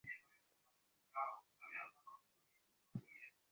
সীতারাম রসিকতা করিবার উদ্যোগ করিল।